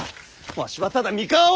わしはただ三河を。